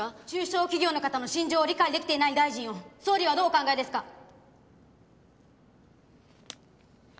中小企業の方の心情を理解出来ていない大臣を総理はどうお考えですか？